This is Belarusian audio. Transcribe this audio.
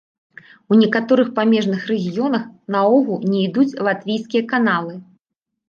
У некаторых памежных рэгіёнах наогул не ідуць латвійскія каналы.